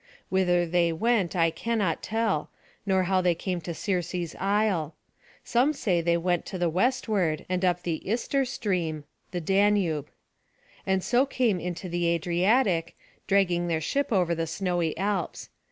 Whither they went I cannot tell, nor how they came to Circe's isle. Some say that they went to the westward, and up the Ister[A] stream, and so came into the Adriatic, dragging their ship over the snowy Alps.